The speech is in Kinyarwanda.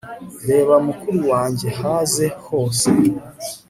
reba mukuru wanjye haze hose